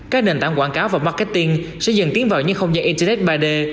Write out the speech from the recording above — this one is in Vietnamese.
các nền tảng quảng cáo và marketing sẽ dần tiến vào những không gian internet ba d